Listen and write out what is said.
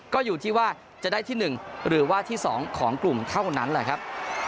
ก็อยู่ที่ว่าจะได้ที่๑หรือว่าที่๒ของกลุ่มเท่านั้นแหละครับ